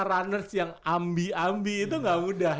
runners yang ambi ambi itu gak mudah